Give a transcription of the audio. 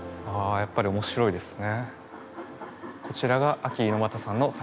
やっぱり面白いですね。